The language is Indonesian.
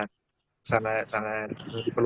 terima kasih indra